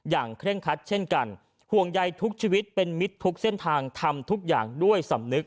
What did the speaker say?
เคร่งคัดเช่นกันห่วงใยทุกชีวิตเป็นมิตรทุกเส้นทางทำทุกอย่างด้วยสำนึก